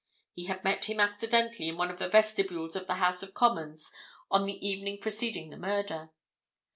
He had met him accidentally in one of the vestibules of the House of Commons on the evening preceding the murder.